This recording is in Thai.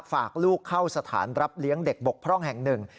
ฝากลูกเข้าสถานรับเลี้ยงเด็กบกพร่องแห่งหนึ่ง